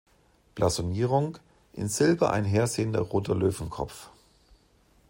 Blasonierung: „In Silber ein hersehender roter Löwenkopf.